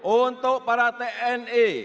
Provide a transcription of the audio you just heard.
untuk para tni